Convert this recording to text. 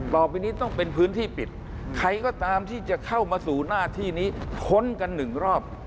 ต่อไปนี้ต้องเป็นพื้นที่ปิดใครก็ตามที่จะเข้ามาสู่หน้าที่นี้ค้นกันหนึ่งรอบ